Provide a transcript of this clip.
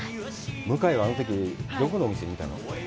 向井はあのとき、どこのお店にいたの？